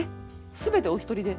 全てお一人で？